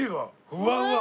ふわふわ！